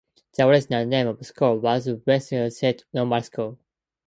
The original name of school was the Washington State Normal School.